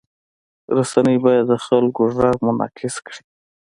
رسنۍ باید د خلکو غږ منعکس کړي.